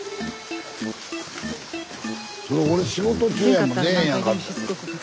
スタジオそれ俺仕事中やもん出ぇへんやんか。